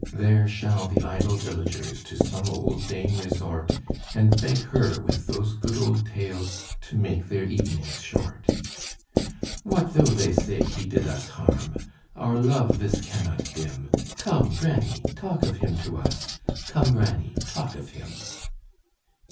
There shall the idle villagers To some old dame resort, And beg her with those good old tales To make their evenings short. "What though they say he did us harm? Our love this cannot dim; Come, granny, talk of him to us; Come, granny, talk of him."